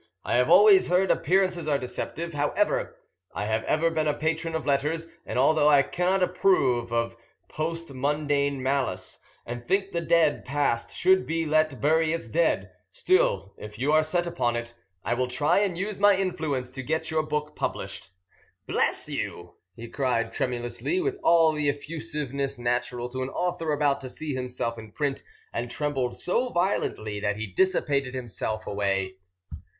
I have always heard appearances are deceptive. However, I have ever been a patron of letters; and although I cannot approve of post mundane malice, and think the dead past should be let bury its dead, still, if you are set upon it, I will try and use my influence to get your book published." "Bless you!" he cried tremulously, with all the effusiveness natural to an author about to see himself in print, and trembled so violently that he dissipated himself away.